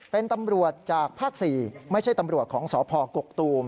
เป็นตำรวจจากภาค๔ไม่ใช่ตำรวจของสพกกตูม